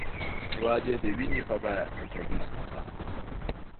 هېواد یې د وینې په بیه له پردیو څخه ساتلی.